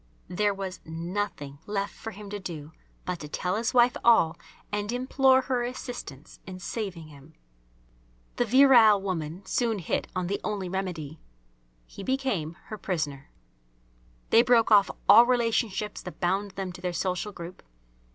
There was nothing left for him to do but to tell his wife all and implore her assistance in saving him. The virile woman soon hit on the only remedy. He became her prisoner. They broke off all relationships that bound them to their social group.